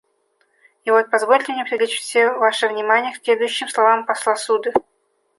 И вот позвольте мне привлечь все ваше внимание к следующим словам посла Суды.